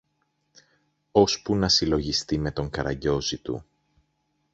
ώσπου να συλλογιστεί με τον καραγκιόζη του